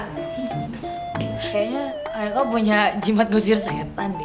kayaknya haikal punya jimat nguzir setan